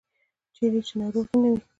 چیرې چې ناروغي نه وي.